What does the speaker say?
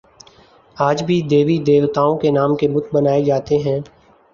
آج بھی دیوی دیوتاؤں کے نام کے بت بنا ئے جاتے ہیں